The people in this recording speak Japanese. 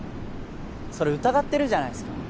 それ疑ってるじゃないですか